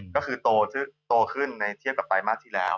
ก็คือโตขึ้นในเทียบกับไตรมาสที่แล้ว